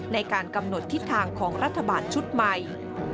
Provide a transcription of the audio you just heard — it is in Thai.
ในการกำหนดทิศทางของรัฐบาลชุดใหม่